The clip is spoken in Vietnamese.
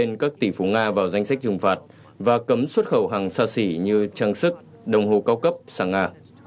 nga cũng sẽ cấm một số mặt hàng nhập khẩu từ nga vào danh sách trừng phạt và cấm xuất khẩu hàng xa xỉ như trang sức đồng hồ cao cấp sang nga